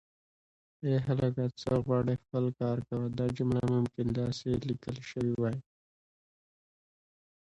ای هلکه ځه غولی خپل کار کوه